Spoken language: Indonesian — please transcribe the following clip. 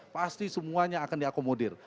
pasti semuanya akan diakomodir